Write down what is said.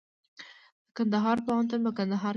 د کندهار پوهنتون په کندهار کې دی